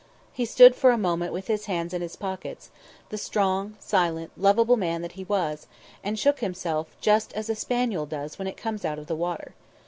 He stood for a moment with his hands in his pockets, the strong, silent, lovable man that he was, and shook himself just as a spaniel does when it comes out of the water.